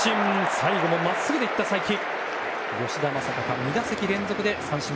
最後もまっすぐでいった才木。